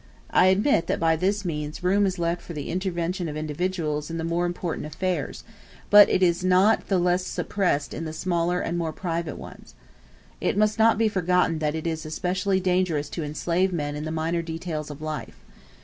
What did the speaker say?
I admit that by this means room is left for the intervention of individuals in the more important affairs; but it is not the less suppressed in the smaller and more private ones. It must not be forgotten that it is especially dangerous to enslave men in the minor details of life.